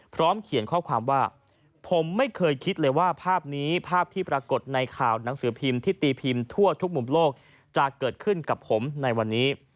พร้อมเขียนข้อความว่าผมไม่เคยคิดเลยว่าภาพนี้ภาพที่ปรากฏในข่าวหนังสือพิมพ์ที่ตีพิมพ์ทั่วทุกมุมโลกจะเกิดขึ้นกับผมในวันนี้